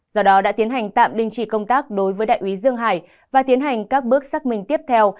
do đó đã tiến hành tạm đình chỉ công tác đối với đại úy dương hải và tiến hành các bước xác minh tiếp theo